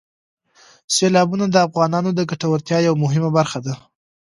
سیلابونه د افغانانو د ګټورتیا یوه مهمه برخه ده.